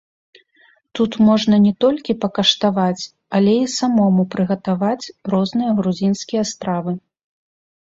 Тут можна не толькі пакаштаваць, але і самому прыгатаваць розныя грузінскія стравы.